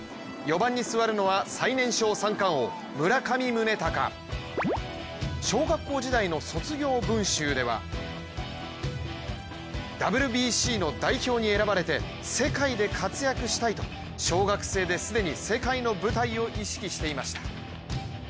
４番に座るのは最年少三冠王・村上宗隆。小学校時代の卒業文集では「ＷＢＣの代表に選ばれて世界で活躍したい」と小学生で既に世界の舞台を意識していました。